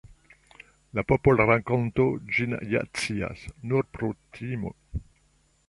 La popol-rakonto ĝin ja scias: nur pro timo.